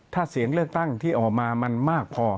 ถ้าเสียงเลือกตั้งที่ออกมามันมากพอ